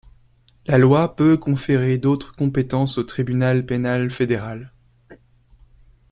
La loi peut conférer d’autres compétences au tribunal pénal fédéral.